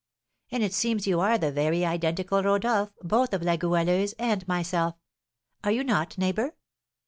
And it seems you are the very identical Rodolph both of La Goualeuse and myself. Are you not, neighbour?"